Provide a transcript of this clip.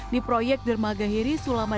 di proyek dermaga hiri selama